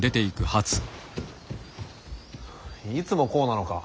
いつもこうなのか。